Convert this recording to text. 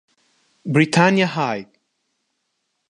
Britannia high